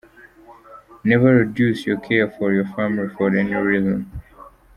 Never reduce your care for your family for any reason.